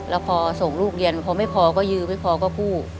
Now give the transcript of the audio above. แล้วพอส่งลูกเรียนพอไม่พอก็ยื้อไม่พอก็กู้